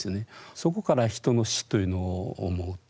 そこから人の死というのを思うと。